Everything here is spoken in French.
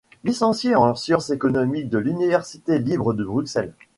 Licencié en sciences économiques de l'Université libre de Bruxelles.